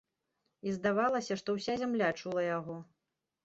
І здавалася, што ўся зямля чула яго.